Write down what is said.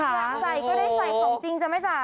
อยากใส่ก็ได้ใส่ของจริงจ้ะแม่จ๋า